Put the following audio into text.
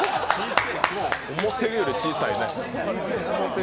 思ったより小さいね。